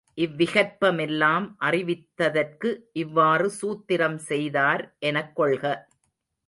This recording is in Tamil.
இவ்விகற்பமெல்லாம் அறிவித்தற்கு இவ்வாறு சூத்திரம் செய்தார் எனக் கொள்க.